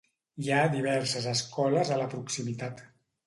Hi ha diverses escoles a la proximitat.